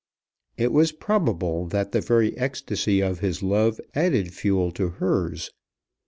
It was probable that the very ecstacy of his love added fuel to hers.